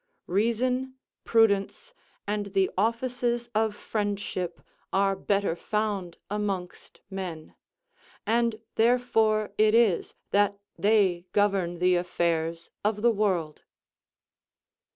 Reason, prudence, and the offices of friendship are better found amongst men, and therefore it is that they govern the affairs of the world.